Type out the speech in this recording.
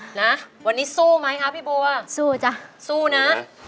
จ้ะนะยวันนี้สู้ไหมคะพี่โบอีกสู้จ้ะสู้นะ